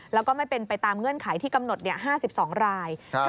แล้วก็ไม่เป็นไปตามเงื่อนไขที่กำหนด๕๒ราย